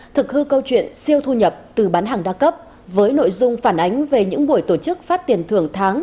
thực hư câu chuyện siêu thu nhập từ bán hàng đa cấp với nội dung phản ánh về những buổi tổ chức phát tiền thưởng tháng